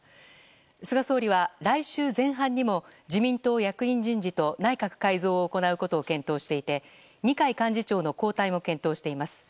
菅総理は来週前半にも自民党役員人事と内閣改造を行うことを検討していて二階幹事長の交代も検討しています。